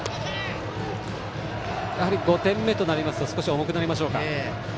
５点目となりますと少し重くなりましょうか。